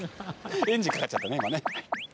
エンジンかかっちゃったね。